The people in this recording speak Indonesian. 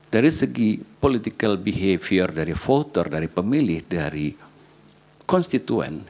dari segi behavior politik dari pemilih dari konstituen